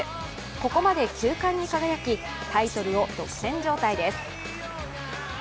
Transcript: ここまで９冠に輝き、タイトルを独占状態です。